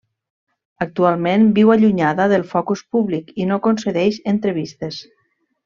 Actualment viu allunyada del focus públic i no concedeix entrevistes.